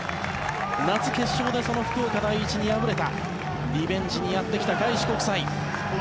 夏決勝でその福岡第一に敗れたリベンジにやってきた開志国際。